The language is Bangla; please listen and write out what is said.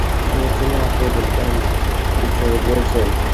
ভেবেছিলাম, আপনি ধূমপান ছেড়ে দিয়েছেন।